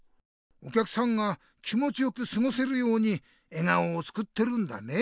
おきゃくさんが気もちよくすごせるように笑顔を作ってるんだね。